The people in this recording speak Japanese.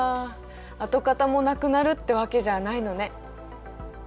跡形もなくなるってわけじゃないのね。